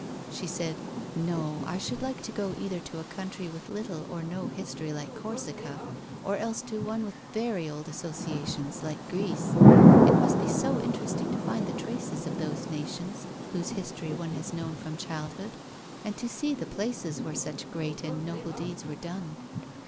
She said, " No, I should like to go either to a country with little or no history like Corsica, or else to one with very old associations like Greece. It must be so interesting to find the traces of those nations whose history one has known from childhood, and to see the places whei'e such great and noble deeds were done."